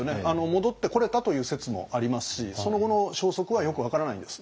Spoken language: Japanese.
戻ってこれたという説もありますしその後の消息はよく分からないんです。